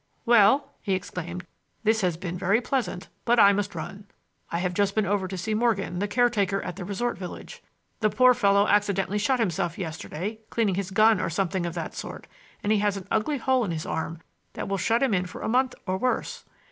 "Well," he exclaimed, "this has been very pleasant, but I must run. I have just been over to see Morgan, the caretaker at the resort village. The poor fellow accidentally shot himself yesterday, cleaning his gun or something of that sort, and he has an ugly hole in his arm that will shut him in for a month or worse.